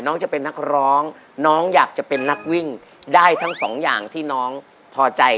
น้องจะเป็นนักร้องน้องอยากจะเป็นนักวิ่งได้ทั้งสองอย่างที่น้องพอใจ